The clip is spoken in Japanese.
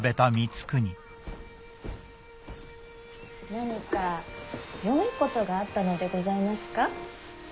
何かよいことがあったのでございますか？